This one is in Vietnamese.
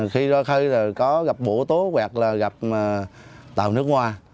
khi có gặp bộ tố hoặc là gặp tàu nước ngoài